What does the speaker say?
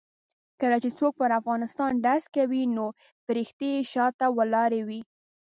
کله چې څوک پر طالبانو ډز کوي نو فرښتې یې شا ته ولاړې وي.